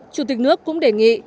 chủ tịch nước cũng đề nghị